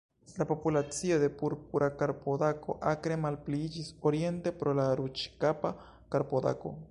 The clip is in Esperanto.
La populacio de Purpura karpodako akre malpliiĝis oriente pro la Ruĝkapa karpodako.